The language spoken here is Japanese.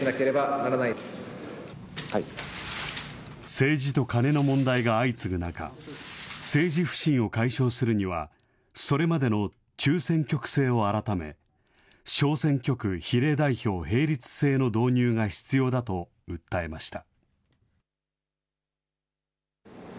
政治とカネの問題が相次ぐ中、政治不信を解消するには、それまでの中選挙区制を改め、小選挙区比例代表並立制の導入が必要だと訴えました。